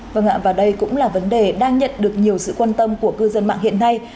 và đây cũng là vấn đề đang nhận được nhiều sự quan tâm của cư dân mạng hiện nay